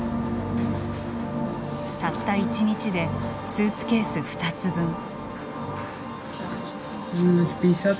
たった１日でスーツケース２つ分。